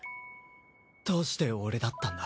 どうして俺だったんだ？